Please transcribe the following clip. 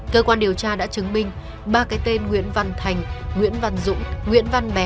cơ quan điều tra đã chứng minh ba cái tên nguyễn văn thành nguyễn văn dũng nguyễn văn bé